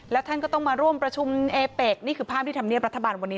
แล้วท่านก็ต้องมาร่วมประชุมเอเป็กนี่คือภาพที่ธรรมเนียบรัฐบาลวันนี้